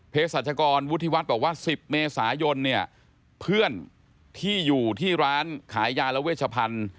สัชกรวุฒิวัฒน์บอกว่า๑๐เมษายนเนี่ยเพื่อนที่อยู่ที่ร้านขายยาและเวชพันธุ์